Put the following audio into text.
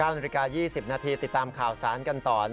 ๙๒๐นาทีติดตามข่าวสารกันต่อ